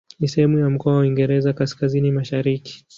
Ni sehemu ya mkoa wa Uingereza Kaskazini-Mashariki.